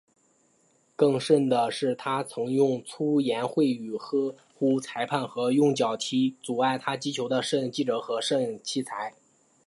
更甚的是他曾用粗言秽语呼喝裁判和用脚踢阻碍他击球的摄影记者和其摄录器材。